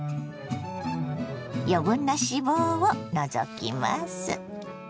余分な脂肪を除きます。